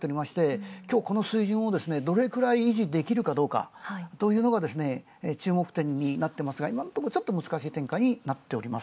きょうこの水準をどれくらい維持できるかどうかというのが注目てんになってますが、いまのところちょっと難しい展開になっています。